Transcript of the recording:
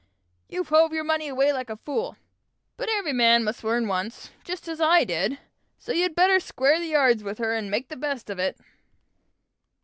You hove your money away like a fool; but every man must learn once, just as I did; so you'd better square the yards with her, and make the best of it."